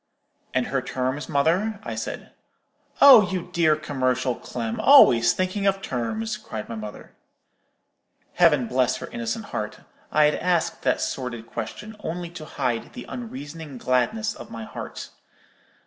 "'And her terms, mother?' I said. "'Oh, you dear commercial Clem, always thinking of terms!' cried my mother. "Heaven bless her innocent heart! I had asked that sordid question only to hide the unreasoning gladness of my heart.